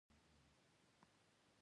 قلم د قلموالو نازولی دی